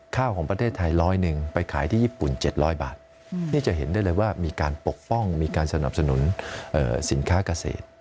ของประเทศไทยร้อยหนึ่งไปขายที่ญี่ปุ่น๗๐๐บาทนี่จะเห็นได้เลยว่ามีการปกป้องมีการสนับสนุนสินค้าเกษตร